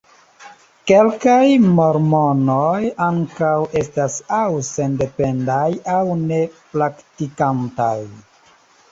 Kelkaj mormonoj ankaŭ estas aŭ sendependaj aŭ ne-praktikantaj.